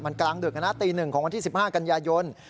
มันกลางดึกนะตี๑ของวันที่๑๕กันยายน